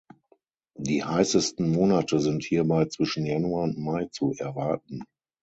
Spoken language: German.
Die heißesten Monate sind hierbei zwischen Januar und Mai zu erwarten.